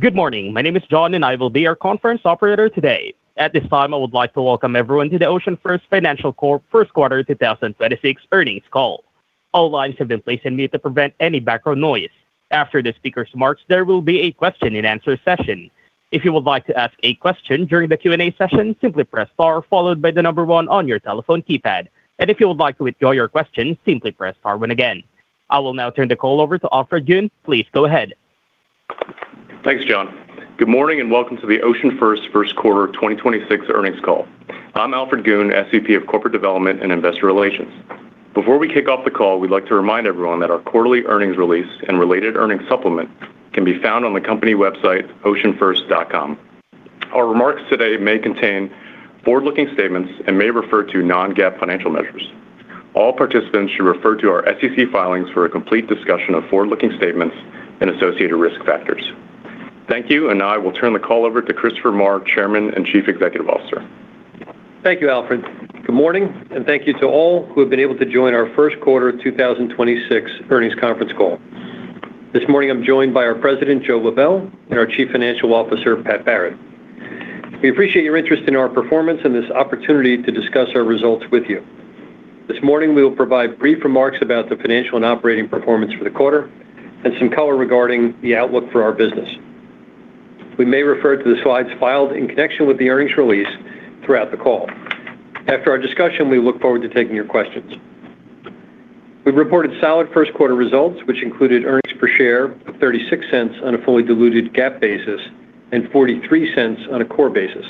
Good morning. My name is John, and I will be your conference operator today. At this time, I would like to welcome everyone to the OceanFirst Financial Corp. First Quarter 2026 Earnings Call. All lines have been placed on mute to prevent any background noise. After the speaker's remarks, there will be a Q&A session. If you would like to ask a question during the Q&A session, simply press *1 on your telephone keypad. If you would like to withdraw your question, simply press *1 again. I will now turn the call over to Alfred Goon. Please go ahead. Thanks, John. Good morning and welcome to the OceanFirst First Quarter 2026 Earnings Call. I'm Alfred Goon, SVP of Corporate Development and Investor Relations. Before we kick off the call, we'd like to remind everyone that our quarterly earnings release and related earnings supplement can be found on the company website, oceanfirst.com. Our remarks today may contain forward-looking statements and may refer to non-GAAP financial measures. All participants should refer to our SEC filings for a complete discussion of forward-looking statements and associated risk factors. Thank you, and now I will turn the call over to Christopher Maher, Chairman and Chief Executive Officer. Thank you, Alfred. Good morning, and thank you to all who have been able to join our first quarter 2026 earnings conference call. This morning, I'm joined by our President, Joe Lebel, and our Chief Financial Officer, Pat Barrett. We appreciate your interest in our performance and this opportunity to discuss our results with you. This morning, we will provide brief remarks about the financial and operating performance for the quarter and some color regarding the outlook for our business. We may refer to the slides filed in connection with the earnings release throughout the call. After our discussion, we look forward to taking your questions. We've reported solid first-quarter results which included earnings per share of $0.36 on a fully diluted GAAP basis and $0.43 on a core basis.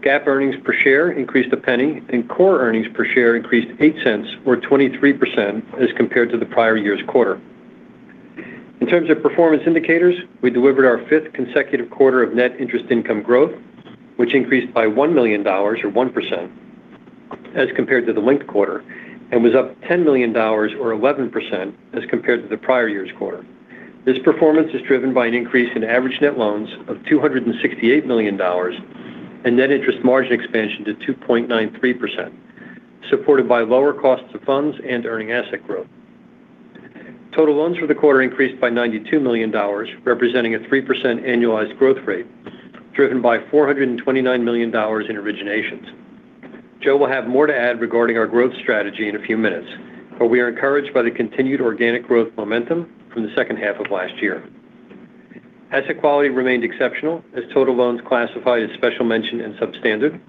GAAP earnings per share increased $0.01, and core earnings per share increased $0.08 or 23% as compared to the prior year's quarter. In terms of performance indicators, we delivered our 5 consecutive quarter of net interest income growth, which increased by $1 million or 1% as compared to the linked quarter and was up $10 million or 11% as compared to the prior year's quarter. This performance is driven by an increase in average net loans of $268 million and net interest margin expansion to 2.93%, supported by lower costs of funds and earning asset growth. Total loans for the quarter increased by $92 million, representing a 3% annualized growth rate driven by $429 million in originations. Joe will have more to add regarding our growth strategy in a few minutes, but we are encouraged by the continued organic growth momentum from the second half of last year. Asset quality remained exceptional as total loans classified as special mention and substandard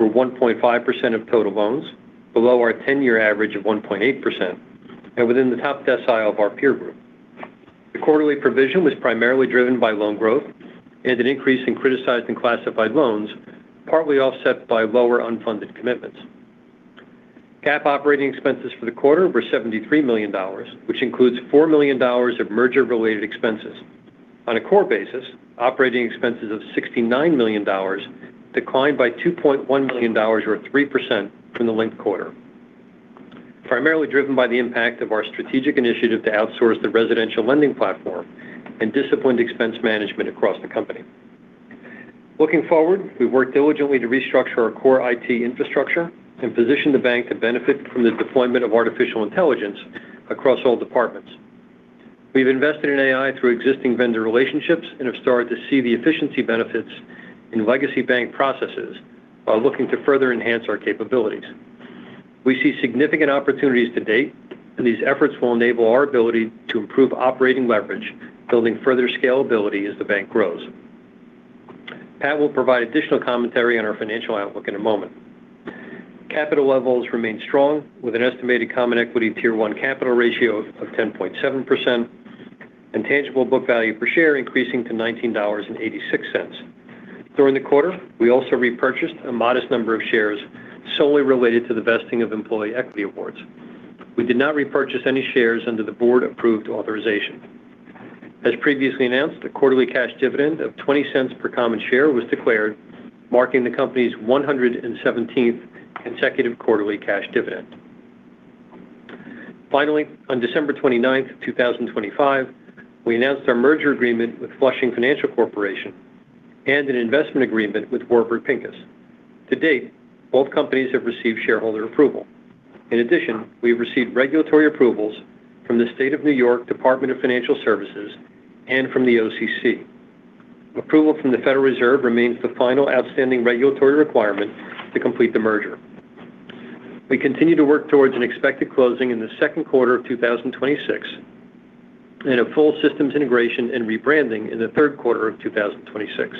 were 1.5% of total loans below our ten-year average of 1.8% and within the top decile of our peer group. The quarterly provision was primarily driven by loan growth and an increase in criticized and classified loans, partly offset by lower unfunded commitments. GAAP operating expenses for the quarter were $73 million, which includes $4 million of merger-related expenses. On a core basis, operating expenses of $69 million declined by $2.1 million or 3% from the linked quarter, primarily driven by the impact of our strategic initiative to outsource the residential lending platform and disciplined expense management across the company. Looking forward, we've worked diligently to restructure our core IT infrastructure and position the bank to benefit from the deployment of artificial intelligence across all departments. We've invested in AI through existing vendor relationships and have started to see the efficiency benefits in legacy bank processes while looking to further enhance our capabilities. We see significant opportunities to date, and these efforts will enable our ability to improve operating leverage, building further scalability as the bank grows. Pat will provide additional commentary on our financial outlook in a moment. Capital levels remain strong with an estimated common equity Tier 1 capital ratio of 10.7% and tangible book value per share increasing to $19.86. During the quarter, we also repurchased a modest number of shares solely related to the vesting of employee equity awards. We did not repurchase any shares under the board-approved authorization. As previously announced, a quarterly cash dividend of $0.20 per common share was declared, marking the company's 117th consecutive quarterly cash dividend. Finally, on 29 December 2025, we announced our merger agreement with Flushing Financial Corporation and an investment agreement with Warburg Pincus. To date, both companies have received shareholder approval. In addition, we have received regulatory approvals from the New York State Department of Financial Services and from the OCC. Approval from the Federal Reserve remains the final outstanding regulatory requirement to complete the merger. We continue to work towards an expected closing in the second quarter of 2026 and a full systems integration and rebranding in the third quarter of 2026.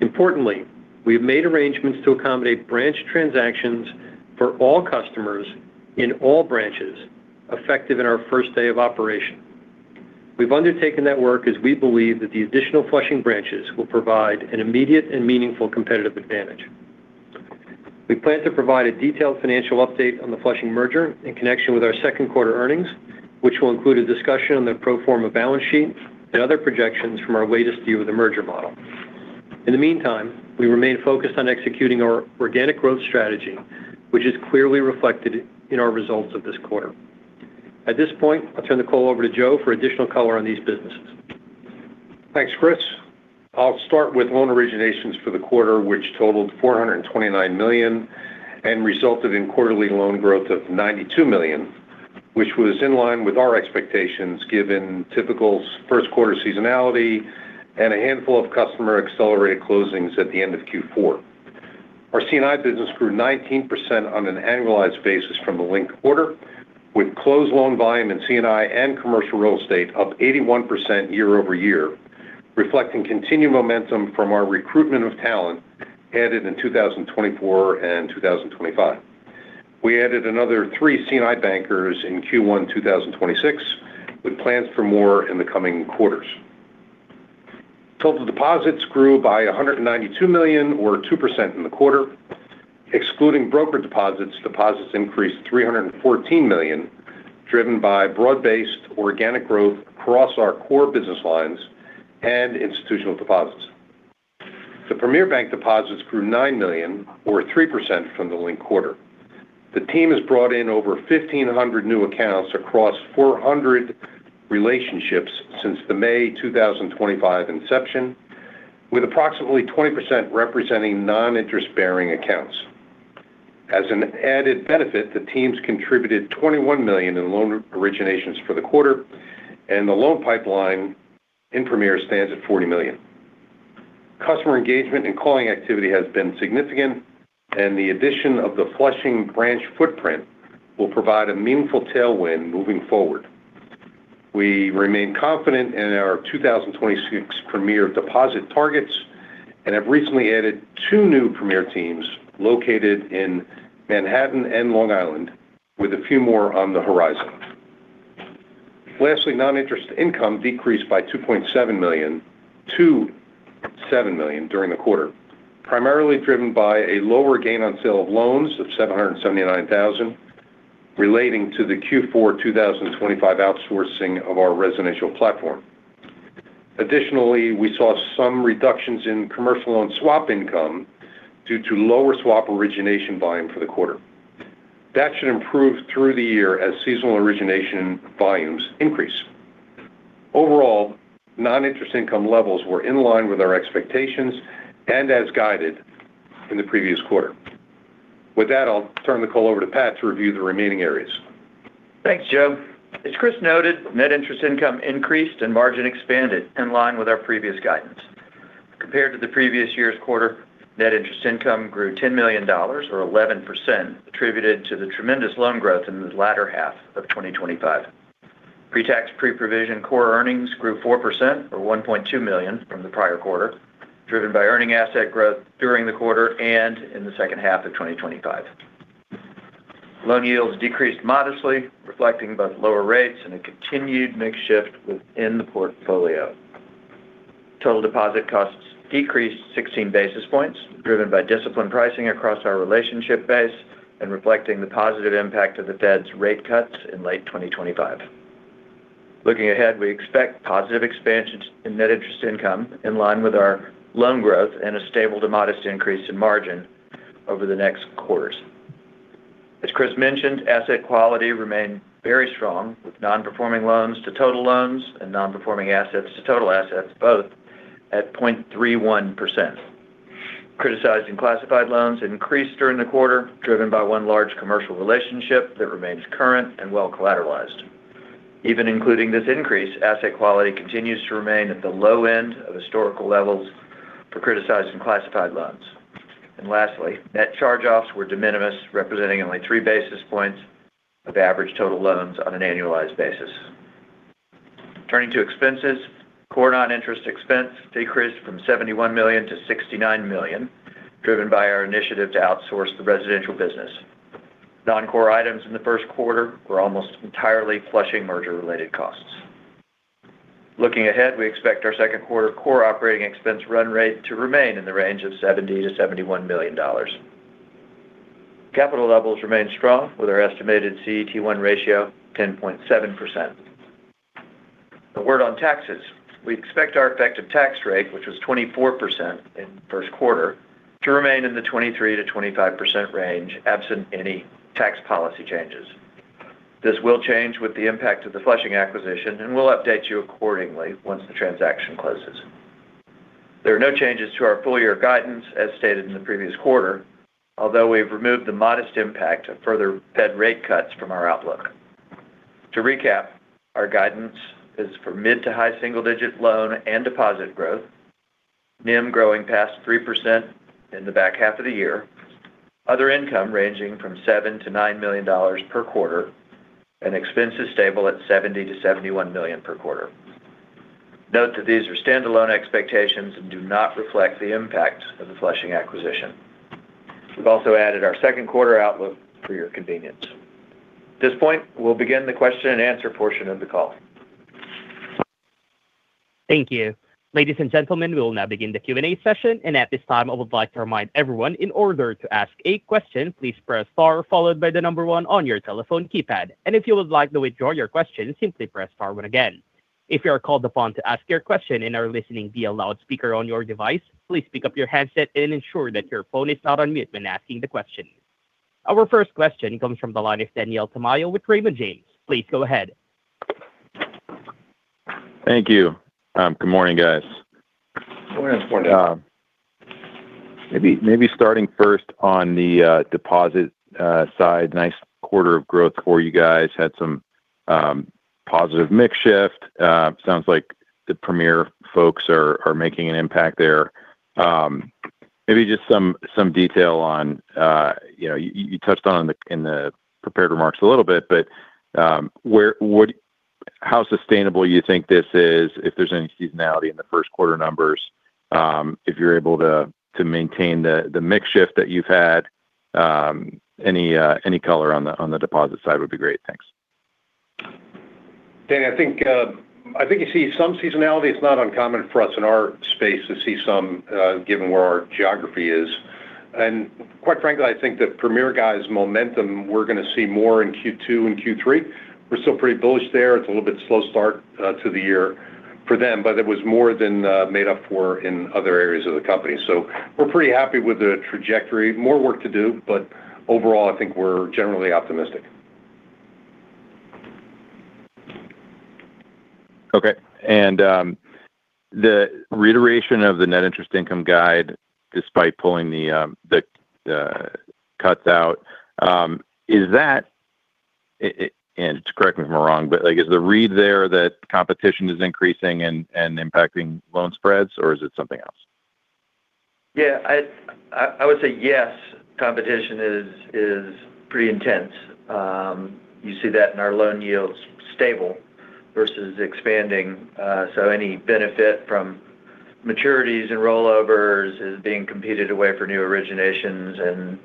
Importantly, we've made arrangements to accommodate branch transactions for all customers in all branches effective in our first day of operation. We've undertaken that work as we believe that the additional Flushing branches will provide an immediate and meaningful competitive advantage. We plan to provide a detailed financial update on the Flushing merger in connection with our second quarter earnings, which will include a discussion on the pro forma balance sheet and other projections from our latest view of the merger model. In the meantime, we remain focused on executing our organic growth strategy, which is clearly reflected in our results of this quarter. At this point, I'll turn the call over to Joe for additional caller on these businesses. Thanks, Chris. I'll start with loan originations for the quarter, which totaled $429 million and resulted in quarterly loan growth of $92 million, which was in line with our expectations given typical first quarter seasonality and a handful of customer-accelerated closings at the end of Q4. Our C&I business grew 19% on an annualized basis from the linked quarter with closed loan volume in C&I and commercial real estate up 81% year-over-year, reflecting continued momentum from our recruitment of talent added in 2024 and 2025. We added another three C&I bankers in Q1 2026 with plans for more in the coming quarters. Total deposits grew by $192 million or 2% in the quarter. Excluding broker deposits increased $314 million, driven by broad-based organic growth across our core business lines and institutional deposits. The Premier Bank deposits grew $9 million or 3% from the linked quarter. The team has brought in over 1,500 new accounts across 400 relationships since the May 2025 inception with approximately 20% representing non-interest-bearing accounts. As an added benefit, the teams contributed $21 million in loan originations for the quarter and the loan pipeline in Premier stands at $40 million. Customer engagement and calling activity has been significant and the addition of the Flushing branch footprint will provide a meaningful tailwind moving forward. We remain confident in our 2026 Premier deposit targets and have recently added two new Premier teams located in Manhattan and Long Island with a few more on the horizon. Lastly, non-interest income decreased by $2.7 million to $7 million during the quarter, primarily driven by a lower gain on sale of loans of $779,000 relating to the Q4 2025 outsourcing of our residential platform. Additionally, we saw some reductions in commercial loan swap income due to lower swap origination volume for the quarter. That should improve through the year as seasonal origination volumes increase. Overall, non-interest income levels were in line with our expectations and as guided in the previous quarter. With that, I'll turn the call over to Pat to review the remaining areas. Thanks, Joe. As Chris noted, net interest income increased and margin expanded in line with our previous guidance. Compared to the previous year's quarter, net interest income grew $10 million or 11%, attributed to the tremendous loan growth in the latter half of 2025. Pre-tax, pre-provision core earnings grew 4% or $1.2 million from the prior quarter, driven by earning asset growth during the quarter and in the second half of 2025. Loan yields decreased modestly, reflecting both lower rates and a continued mix shift within the portfolio. Total deposit costs decreased 16 basis points, driven by disciplined pricing across our relationship base and reflecting the positive impact of the Fed's rate cuts in late 2025. Looking ahead, we expect positive expansions in net interest income in line with our loan growth and a stable to modest increase in margin over the next quarters. As Chris mentioned, asset quality remained very strong with non-performing loans to total loans and non-performing assets to total assets both at 0.31%. Criticized and classified loans increased during the quarter, driven by one large commercial relationship that remains current and well collateralized. Even including this increase, asset quality continues to remain at the low end of historical levels for criticized and classified loans. Lastly, net charge-offs were de minimis, representing only three basis points of average total loans on an annualized basis. Turning to expenses, core non-interest expense decreased from $71 million to $69 million, driven by our initiative to outsource the residential business. Non-core items in the first quarter were almost entirely Flushing merger-related costs. Looking ahead, we expect our second quarter core operating expense run rate to remain in the range of $70-$71 million. Capital levels remain strong with our estimated CET1 ratio 10.7%. A word on taxes. We expect our effective tax rate, which was 24% in the first quarter, to remain in the 23%-25% range absent any tax policy changes. This will change with the impact of the Flushing acquisition and we'll update you accordingly once the transaction closes. There are no changes to our full year guidance as stated in the previous quarter although we've removed the modest impact of further Fed rate cuts from our outlook. To recap, our guidance is for mid to high single digit loan and deposit growth, NIM growing past 3% in the back half of the year, other income ranging from $7-$9 million per quarter, and expenses stable at $70-$71 million per quarter. Note that these are standalone expectations and do not reflect the impact of the Flushing acquisition. We've also added our second quarter outlook for your convenience. At this point, we'll begin the question and answer portion of the call. Thank you. Ladies and gentlemen, we will now begin the Q&A session and at this time, I would like to remind everyone in order to ask a question, please press * followed by the number 1 on your telephone keypad. If you would like to withdraw your question, simply press *1 again. If you are called upon to ask your question and are listening via loudspeaker on your device, please pick up your handset and ensure that your phone is not on mute when asking the question. Our first question comes from the line of Daniel Tamayo with Raymond James. Please go ahead. Thank you. Good morning, guys. Good morning. Good morning. Maybe starting first on the deposit side. Nice quarter of growth for you guys. Had some positive mix shift. Sounds like the Premier folks are making an impact there. Maybe just some detail on, you touched on it in the prepared remarks a little bit, but how sustainable you think this is, if there's any seasonality in the first quarter numbers, if you're able to maintain the mix shift that you've had. Any caller on the deposit side would be great. Thanks. Dan, I think you see some seasonality. It's not uncommon for us in our space to see some, given where our geography is. Quite frankly, I think the Premier guys' momentum, we're going to see more in Q2 and Q3. We're still pretty bullish there. It's a little bit slow start to the year for them, but it was more than made up for in other areas of the company. We're pretty happy with the trajectory. More work to do, but overall, I think we're generally optimistic. Okay. The reiteration of the net interest income guide despite pulling the cuts out, is that, and correct me if I'm wrong, but is the read there that competition is increasing and impacting loan spreads or is it something else? I would say yes, competition is pretty intense. You see that in our loan yields stable versus expanding. Any benefit from maturities and rollovers is being competed away for new originations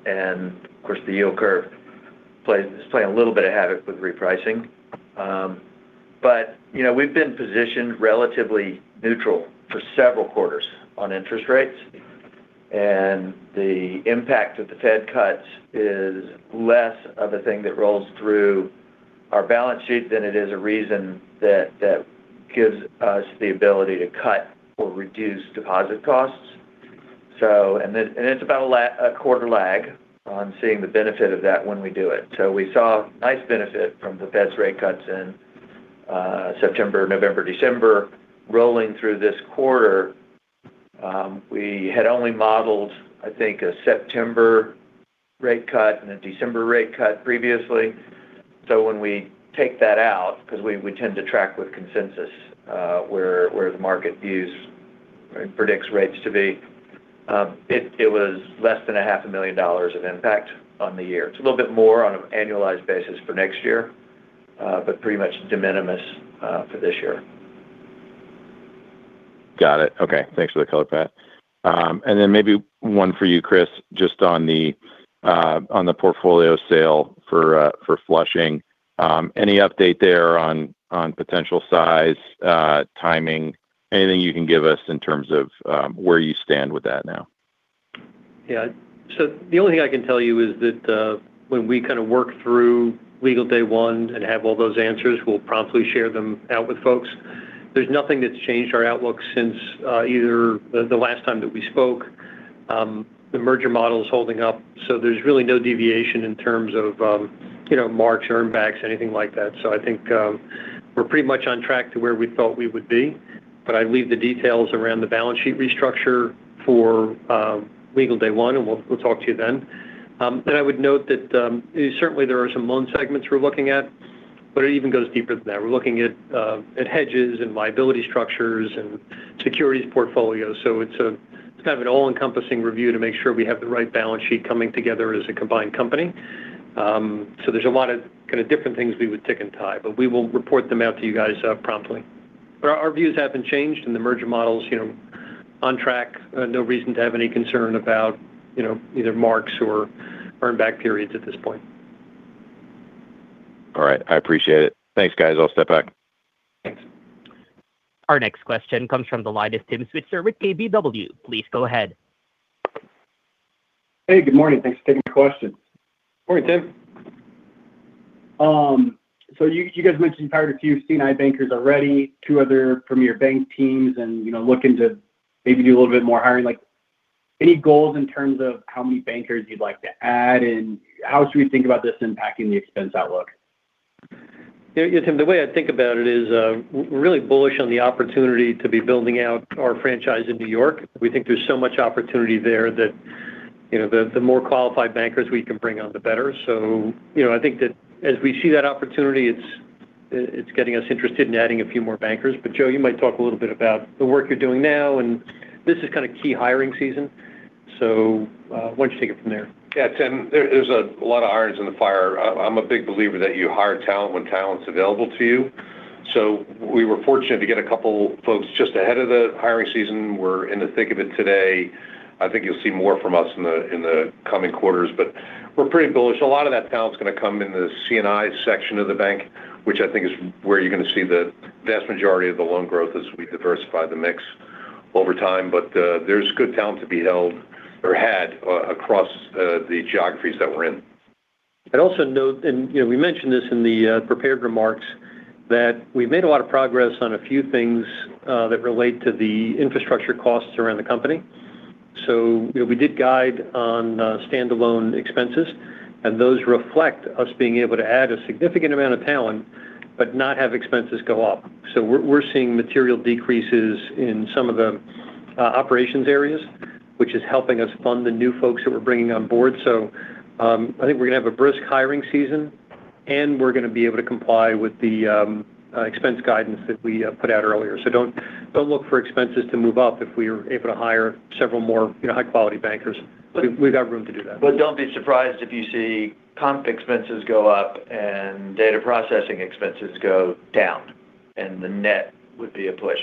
and, of course, the yield curve is playing a little bit of havoc with repricing. We've been positioned relatively neutral for several quarters on interest rates. The impact of the Fed cuts is less of a thing that rolls through our balance sheet than it is a reason that gives us the ability to cut or reduce deposit costs. It's about a quarter lag on seeing the benefit of that when we do it. We saw nice benefit from the Fed's rate cuts in September, November, December. Rolling through this quarter, we had only modeled, I think, a September rate cut and a December rate cut previously. When we take that out, because we tend to track with consensus where the market views and predicts rates to be, it was less than a half a million dollars of impact on the year. It's a little bit more on an annualized basis for next year, but pretty much de minimis for this year. Got it. Okay. Thanks for the color, Pat. Maybe one for you, Chris, just on the portfolio sale for Flushing. Any update there on potential size, timing? Anything you can give us in terms of where you stand with that now? The only thing I can tell you is that when we kind of work through legal day one and have all those answers, we'll promptly share them out with folks. There's nothing that's changed our outlook since either the last time that we spoke. The merger model is holding up, so there's really no deviation in terms of marks, earnbacks, anything like that. I think we're pretty much on track to where we thought we would be. I leave the details around the balance sheet restructure for legal day one, and we'll talk to you then. I would note that certainly there are some loan segments we're looking at. It even goes deeper than that. We're looking at hedges and liability structures and securities portfolios. It's kind of an all-encompassing review to make sure we have the right balance sheet coming together as a combined company. There's a lot of kind of different things we would tick and tie, but we will report them out to you guys promptly. Our views haven't changed and the merger model's on track. No reason to have any concern about either marks or earn back periods at this point. All right. I appreciate it. Thanks, guys. I'll step back. Thanks. Our next question comes from the line of Tim Switzer with KBW. Please go ahead. Good morning. Thanks for taking my question. Morning, Tim. You guys mentioned you hired a few C&I bankers already, two other Premier Bank teams, and looking to maybe do a little bit more hiring. Any goals in terms of how many bankers you'd like to add, and how should we think about this impacting the expense outlook? Tim, the way I think about it is we're really bullish on the opportunity to be building out our franchise in New York. We think there's so much opportunity there that the more qualified bankers we can bring on, the better. I think that as we see that opportunity, it's getting us interested in adding a few more bankers. Joe, you might talk a little bit about the work you're doing now, and this is kind of key hiring season. Why don't you take it from there? Tim, there's a lot of irons in the fire. I'm a big believer that you hire talent when talent's available to you. We were fortunate to get a couple folks just ahead of the hiring season. We're in the thick of it today. I think you'll see more from us in the coming quarters. We're pretty bullish. A lot of that talent's going to come in the C&I section of the bank, which I think is where you're going to see the vast majority of the loan growth as we diversify the mix over time. There's good talent to be held or had across the geographies that we're in. I'd also note, and we mentioned this in the prepared remarks. That we've made a lot of progress on a few things that relate to the infrastructure costs around the company. We did guide on standalone expenses and those reflect us being able to add a significant amount of talent but not have expenses go up. We're seeing material decreases in some of the operations areas, which is helping us fund the new folks that we're bringing on board. I think we're going to have a brisk hiring season and we're going to be able to comply with the expense guidance that we put out earlier. Don't look for expenses to move up if we are able to hire several more high-quality bankers, we've got room to do that. Don't be surprised if you see comp expenses go up and data processing expenses go down, and the net would be a push.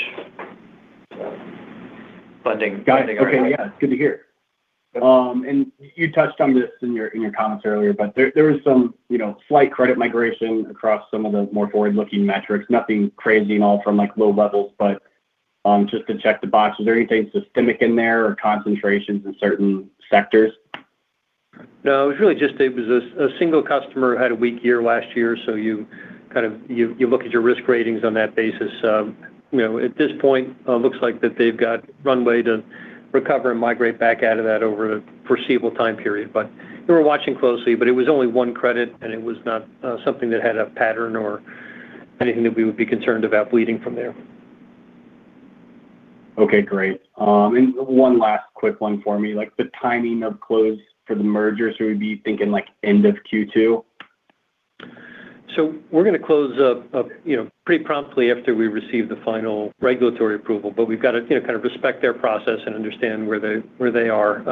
Funding guidance. Okay. It's good to hear. You touched on this in your comments earlier, but there was some slight credit migration across some of the more forward-looking metrics. Nothing crazy at all from low levels, but just to check the box, is there anything systemic in there or concentrations in certain sectors? No. It was a single customer who had a weak year last year, so you look at your risk ratings on that basis. At this point, it looks like that they've got runway to recover and migrate back out of that over a foreseeable time period. We're watching closely. It was only one credit and it was not something that had a pattern or anything that we would be concerned about bleeding from there. Okay, great. One last quick one for me, the timing of close for the merger, so we'd be thinking like end of Q2? We're going to close up pretty promptly after we receive the final regulatory approval, but we've got to kind of respect their process and understand where they are.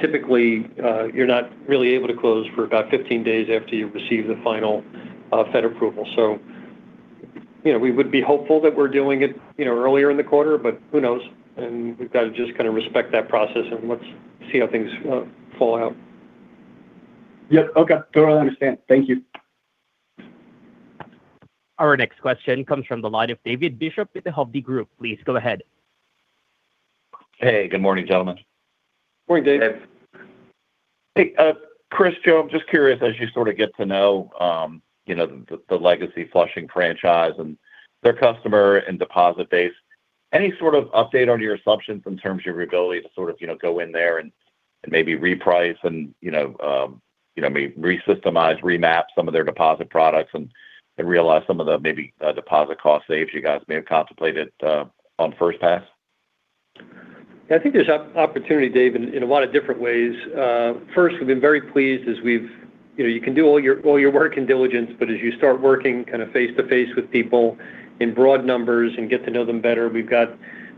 Typically, you're not really able to close for about 15 days after you receive the final Fed approval. We would be hopeful that we're doing it earlier in the quarter, but who knows? We've got to just kind of respect that process and let's see how things fall out. Yep. Okay. No, I understand. Thank you. Our next question comes from the line of David Bishop with The Hovde Group. Please go ahead. Good morning, gentlemen. Morning, Dave. Dave. Chris, Joe, I'm just curious, as you sort of get to know the legacy Flushing franchise and their customer and deposit base, any sort of update on your assumptions in terms of your ability to sort of go in there and maybe reprice and maybe resystemize, remap some of their deposit products and realize some of the maybe deposit cost saves you guys may have contemplated on first pass? I think there's opportunity, Dave, in a lot of different ways. First, we've been very pleased. You can do all your work and diligence, but as you start working kind of face-to-face with people in broad numbers and get to know them better,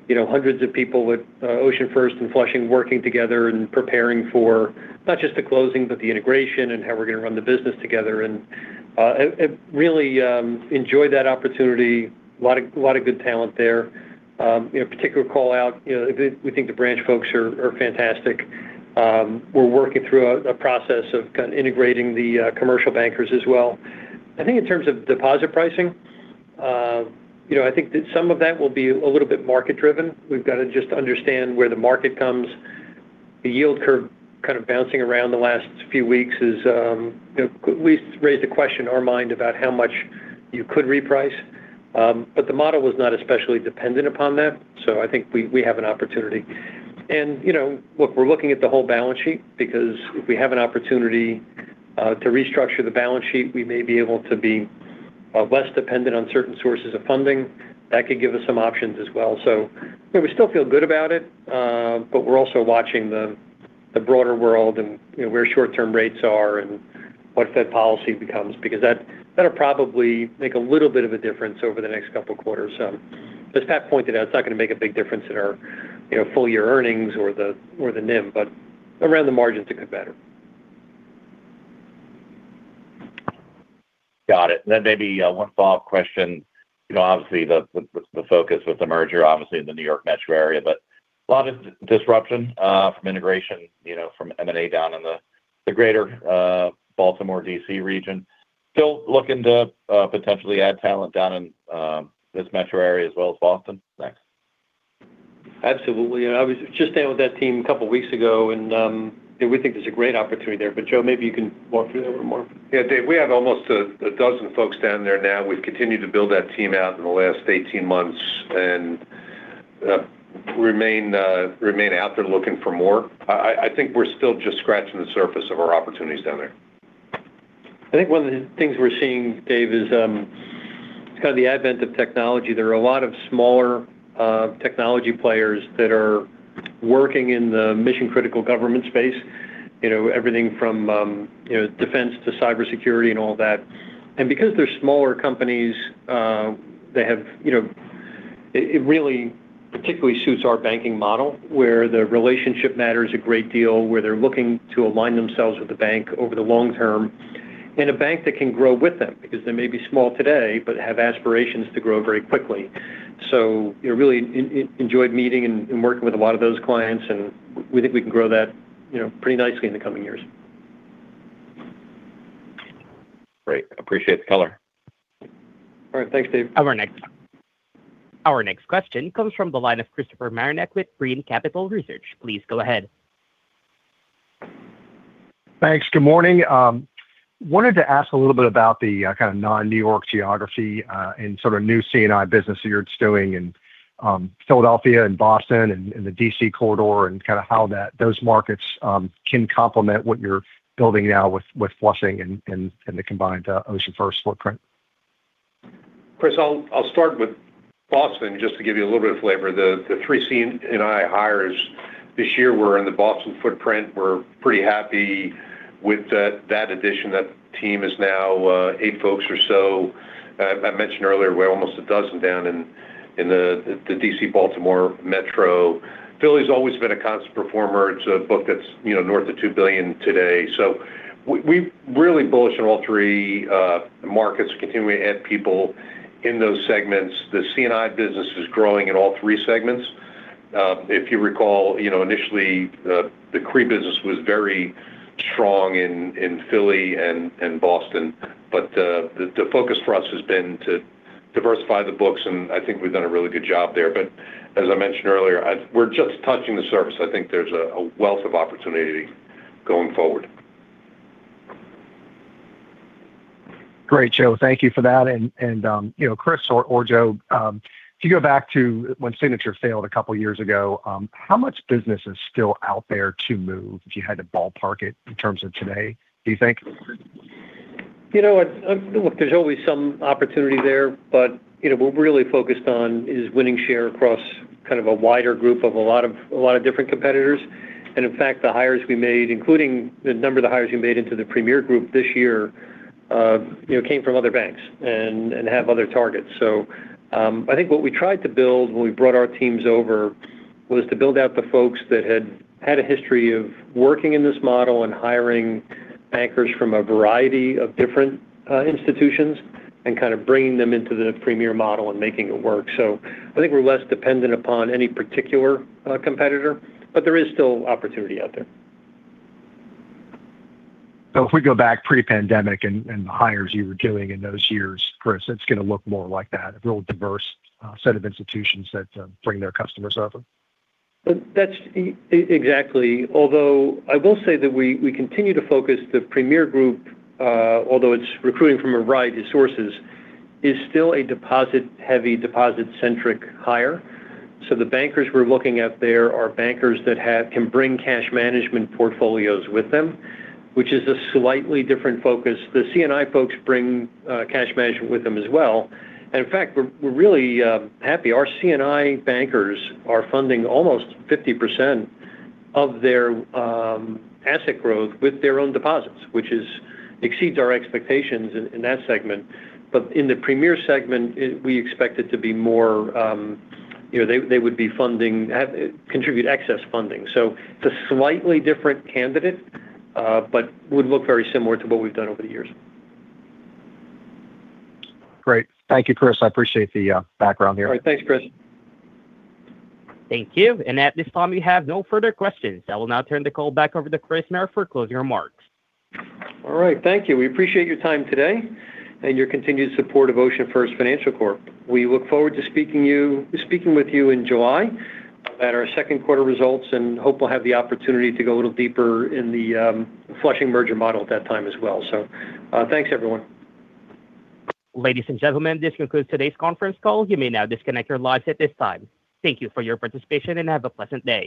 we've got hundreds of people with OceanFirst and Flushing working together and preparing for not just the closing, but the integration and how we're going to run the business together and really enjoy that opportunity. A lot of good talent there. Particular call-out, we think the branch folks are fantastic. We're working through a process of kind of integrating the commercial bankers as well. I think in terms of deposit pricing, I think that some of that will be a little bit market-driven. We've got to just understand where the market comes. The yield curve kind of bouncing around the last few weeks has at least raised a question in our mind about how much you could reprice. The model was not especially dependent upon that, so I think we have an opportunity. Look, we're looking at the whole balance sheet because if we have an opportunity to restructure the balance sheet, we may be able to be less dependent on certain sources of funding. That could give us some options as well. We still feel good about it. We're also watching the broader world and where short-term rates are and what Fed policy becomes because that'll probably make a little bit of a difference over the next couple of quarters. As Pat pointed out, it's not going to make a big difference in our full-year earnings or the NIM, but around the margins it could better. Got it. Maybe one follow-up question. Obviously the focus with the merger, obviously in the New York metro area, but a lot of disruption from integration from M&A down in the greater Baltimore/D.C. region. Still looking to potentially add talent down in this metro area as well as Boston? Thanks. Absolutely. I was just staying with that team a couple of weeks ago, and we think there's a great opportunity there. Joe, maybe you can walk through that a little more. Dave, we have almost a dozen folks down there now. We've continued to build that team out in the last 18 months and remain out there looking for more. I think we're still just scratching the surface of our opportunities down there. I think one of the things we're seeing, Dave, is it's kind of the advent of technology. There are a lot of smaller technology players that are working in the mission-critical government space. Everything from defense to cybersecurity and all that. Because they're smaller companies, it really particularly suits our banking model where the relationship matters a great deal, where they're looking to align themselves with the bank over the long term, and a bank that can grow with them because they may be small today but have aspirations to grow very quickly. Really enjoyed meeting and working with a lot of those clients, and we think we can grow that pretty nicely in the coming years. Great. Appreciate the caller. All right. Thanks, David. Our next question comes from the line of Christopher Marinac with Janney Montgomery Scott. Please go ahead. Thanks. Good morning. I wanted to ask a little bit about the kind of non-New York geography and sort of new C&I business that you're doing in Philadelphia and Boston and the D.C. corridor, and kind of how those markets can complement what you're building now with Flushing and the combined OceanFirst footprint. Chris, I'll start with Boston, just to give you a little bit of flavor. The three C&I hires this year were in the Boston footprint. We're pretty happy with that addition. That team is now eight folks or so. I mentioned earlier we're almost 12 down in the D.C.-Baltimore metro. Philly's always been a constant performer. It's a book that's north of $2 billion today. We're really bullish on all three markets, continuing to add people in those segments. The C&I business is growing in all three segments. If you recall, initially the CRE business was very strong in Philly and Boston. The focus for us has been to diversify the books, and I think we've done a really good job there. As I mentioned earlier, we're just touching the surface. I think there's a wealth of opportunity going forward. Great, Joe. Thank you for that. Chris or Joe, if you go back to when Signature failed a couple of years ago, how much business is still out there to move, if you had to ballpark it in terms of today, do you think? Look, there's always some opportunity there, but what we're really focused on is winning share across kind of a wider group of a lot of different competitors. In fact, the hires we made, including the number of the hires we made into the Premier group this year, came from other banks and have other targets. I think what we tried to build when we brought our teams over was to build out the folks that had had a history of working in this model and hiring bankers from a variety of different institutions and kind of bringing them into the Premier model and making it work. I think we're less dependent upon any particular competitor. There is still opportunity out there. If we go back pre-pandemic and the hires you were doing in those years, Chris, it's going to look more like that, a real diverse set of institutions that bring their customers over. That's exactly. Although, I will say that we continue to focus the Premier group, although it's recruiting from a variety of sources, is still a deposit-heavy, deposit-centric hire. The bankers we're looking at there are bankers that can bring cash management portfolios with them, which is a slightly different focus. The C&I folks bring cash management with them as well. In fact, we're really happy. Our C&I bankers are funding almost 50% of their asset growth with their own deposits, which exceeds our expectations in that segment. In the Premier segment, we expect it to be more, they would contribute excess funding. It's a slightly different candidate, but would look very similar to what we've done over the years. Great. Thank you, Chris. I appreciate the background here. All right. Thanks, Chris. Thank you. At this time, we have no further questions. I will now turn the call back over to Christopher Maher for closing remarks. All right. Thank you. We appreciate your time today and your continued support of OceanFirst Financial Corp. We look forward to speaking with you in July about our second quarter results and hope we'll have the opportunity to go a little deeper in the Flushing merger model at that time as well. Thanks, everyone. Ladies and gentlemen, this concludes today's conference call. You may now disconnect your lines at this time. Thank you for your participation and have a pleasant day.